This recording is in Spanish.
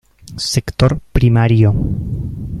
Sector primario.